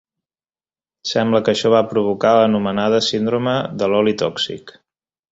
Sembla que això va provocar l'anomenada síndrome de l'oli tòxic.